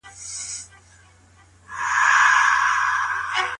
زده کوونکي اوس په مورنۍ ژبه لوستل کوي.